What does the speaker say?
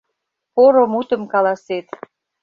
Поро мутым каласет